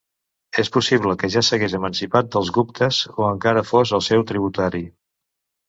És possible que ja s'hagués emancipat dels guptes o encara fos el seu tributari.